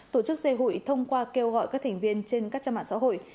tổ chức dây hụi thông qua kêu gọi các thành viên trên các trang mạng xã hội